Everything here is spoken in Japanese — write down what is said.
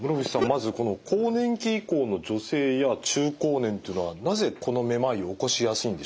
まず更年期以降の女性や中高年っていうのはなぜこのめまいを起こしやすいんでしょうか？